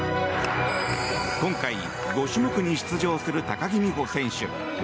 今回、５種目に出場する高木美帆選手。